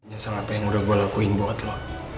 gue cuma terserah apa yang gue lakuin buat lo